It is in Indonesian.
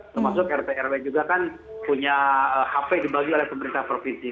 termasuk rt rw juga kan punya hp dibagi oleh pemerintah provinsi